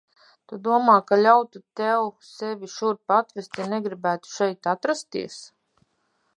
Tu domā, ka ļautu tev sevi šurp atvest, ja negribētu šeit atrasties?